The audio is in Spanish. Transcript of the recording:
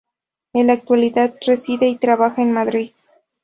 En la actualidad reside y trabaja en Madrid.